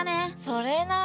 それな。